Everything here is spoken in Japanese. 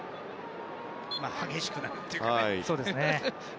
激しくなるというかね。